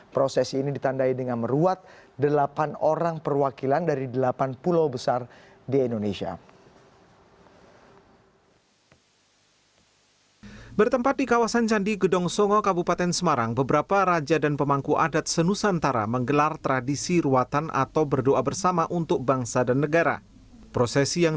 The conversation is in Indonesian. proses ini ditandai dengan meruat delapan orang perwakilan dari delapan pulau besar di indonesia